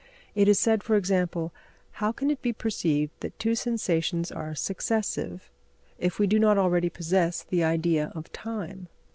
It is said, for example: how can it be perceived that two sensations are successive, if we do not already possess the idea of time?